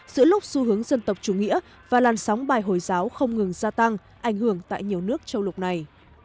giữa lúc xu hướng dân tộc chủ nghĩa và làn sóng bài hồi giáo không ngừng gia tăng ảnh hưởng tại nhiều nước châu lục này